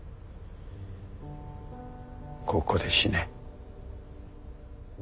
ここで死ね。